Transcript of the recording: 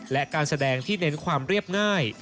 และการแสดงที่เน้นความเรียบง่าย